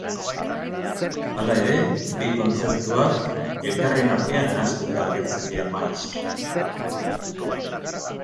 Hala ere bi kontzeptuak elkarren artean nahastuta agertzen dira maiz.